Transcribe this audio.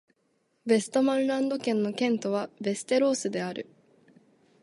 ヴェストマンランド県の県都はヴェステロースである